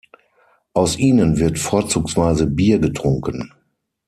Aus ihnen wird vorzugsweise Bier getrunken.